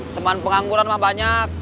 teman pengangguran mah banyak